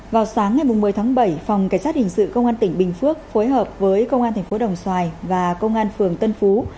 vào sáng ngày một mươi tháng bảy phòng cảnh sát hình sự công an tỉnh bình phước phối hợp với công an thành phố đồng xoài và công an phường tân phú